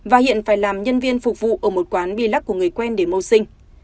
và hiện phải làm nhân viên phục vụ ở một quán bi lắc của người quen để mâu sinh